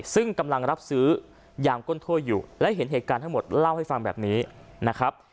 ซึ่งกำลังรับซื้อยางก้นถ้วยอยู่และเห็นเหตุการณ์ทั้งหมดเล่าให้ฟังแบบนี้นะครับ